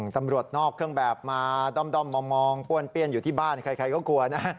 ตำรวจนอกเครื่องแบบมาด้อมมามองป้วนเปี้ยนอยู่ที่บ้านใครก็กลัวนะ